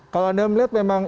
kalau anda melihat memang